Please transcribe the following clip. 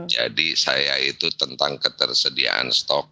jadi saya itu tentang ketersediaan stok